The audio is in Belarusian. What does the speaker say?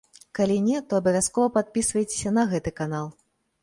Калі не, то абавязкова падпісвайцеся на гэты канал.